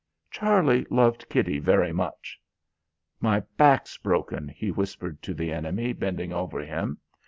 Charlie loved Kitty very much. "My back's broken," he whispered to the enemy bending over him.